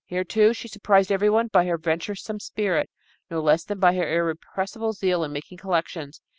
Here, too, she surprised everyone by her venturesome spirit no less than by her irrepressible zeal in making collections.